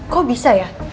kok bisa ya